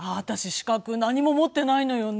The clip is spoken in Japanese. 資格何も持ってないのよね。